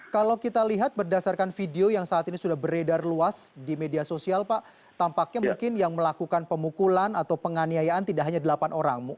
kalau kita lihat berdasarkan video yang saat ini sudah beredar luas di media sosial pak tampaknya mungkin yang melakukan pemukulan atau penganiayaan tidak hanya delapan orang